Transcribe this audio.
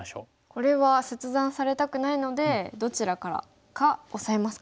これは切断されたくないのでどちらからかオサえますか。